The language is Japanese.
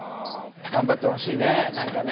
頑張ってほしいね何かね。